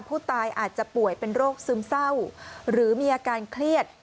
ผู้ตายอาจจะป่วยเป็นโรคซึมเศร้าหรือมีอาการเครียด